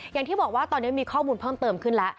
อย่างที่บอกว่าตอนนี้มีข้อมูลเพิ่มเติมขึ้นแล้ว